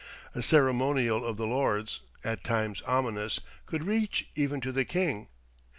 A ceremonial of the Lords, at times ominous, could reach even to the king.